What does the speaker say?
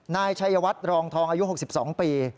นายชัยวัดรองทองอายุ๖๒ปี